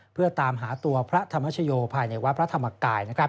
เพื่อตามหาตัวพระธรรมชโยภายในวัดพระธรรมกาย